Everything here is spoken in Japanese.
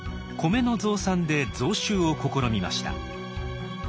米の増産で増収を試みました。